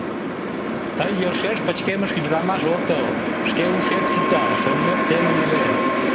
Тый йӧршеш пычкемыш ӱдырамаш отыл, шке ушет сита: шонымет семын илет...